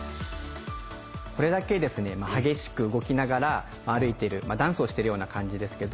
これだけ激しく動きながら歩いているダンスをしているような感じですけど。